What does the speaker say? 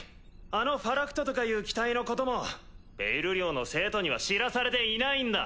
あのファラクトとかいう機体のこともペイル寮の生徒には知らされていないんだ。